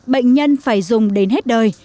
bệnh nhân phải dùng đến hết đời